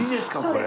これ。